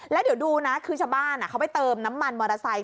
แล้วเดี๋ยวดูนะคือชาวบ้านเขาไปเติมน้ำมันมอเตอร์ไซค